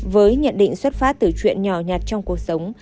với nhận định xuất phát từ chuyện nhỏ nhặt trong cuộc sống